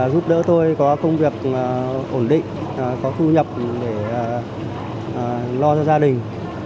có công việc ổn định có thu nhập để lo cho gia đình